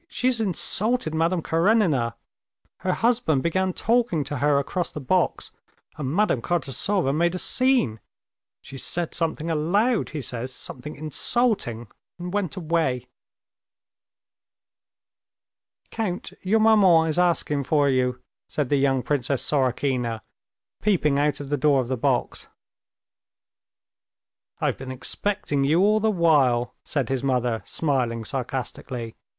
She has insulted Madame Karenina. Her husband began talking to her across the box, and Madame Kartasova made a scene. She said something aloud, he says, something insulting, and went away." "Count, your maman is asking for you," said the young Princess Sorokina, peeping out of the door of the box. "I've been expecting you all the while," said his mother, smiling sarcastically.